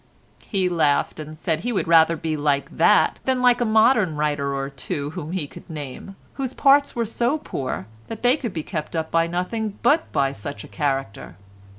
He laughed and said he would rather be like that than like a modern writer or two whom he could name, whose parts were so poor that they could be kept up by nothing but by such a character.